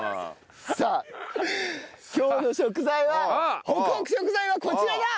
さあ今日の食材はホクホク食材はこちらだ！